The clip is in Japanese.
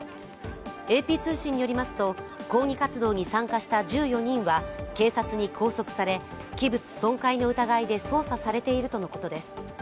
ＡＰ通信によりますと、抗議活動に参加した１４人は警察に拘束され器物損壊の疑いで捜査されているとのことです。